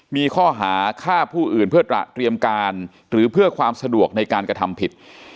มีข้อหาฆ่าผู้อื่นเพื่อตระเตรียมการหรือเพื่อความสะดวกในการกระทำผิด